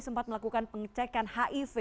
sempat melakukan pengecekan hiv